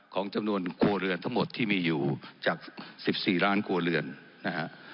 ของจำนวนครัวเรือนทั้งหมดที่มีอยู่จาก๑๔ล้านครัวเรือนนะฮะ